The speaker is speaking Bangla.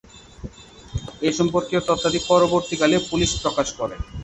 এ সম্পর্কীয় তথ্যাদি পরবর্তীকালে পুলিশ প্রকাশ করে।